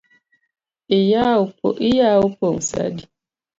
Iyawo pong’ sa adi?